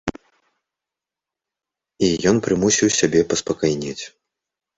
І ён прымусіў сябе паспакайнець.